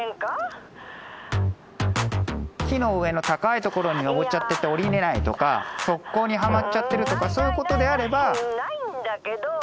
木の上の高いところに登っちゃって下りれないとか側溝にはまっちゃってるとかそういうことであれば。